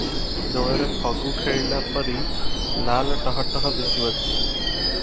ଦୋଳରେ ଫଗୁ ଖେଳିଲାପରି ଲାଲ ଟହ ଟହ ଦିଶୁଅଛି ।